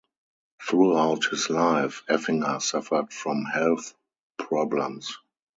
Throughout his life, Effinger suffered from health problems.